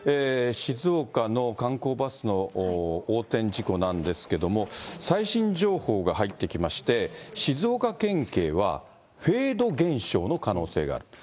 静岡の観光バスの横転事故なんですけれども、最新情報が入ってきまして、静岡県警はフェード現象の可能性があると。